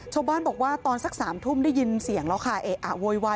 ช่วงบ้านบอกว่าตอนสักสามทุ่มได้ยินเสียงแล้วค่ะ